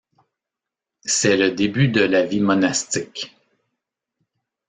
C’est le début de la vie monastique.